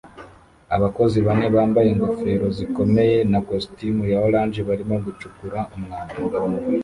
Abakozi bane bambaye ingofero zikomeye na kositimu ya orange barimo gucukura umwanda